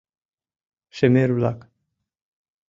Шемер-влак